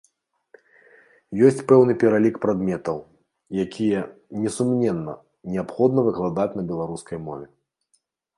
Ёсць пэўны пералік прадметаў, якія, несумненна, неабходна выкладаць на беларускай мове.